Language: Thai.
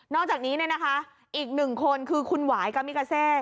นอกจากนี้เนี่ยนะคะอีกหนึ่งคนคือคุณหวายกามิกาเซ